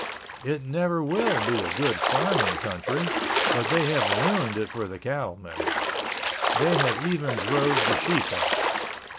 It never will be a good farming country, but they have ruined it for the cattleman. They have even drove the sheep out.